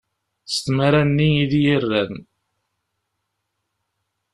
S tmara-nni i d iyi-rran.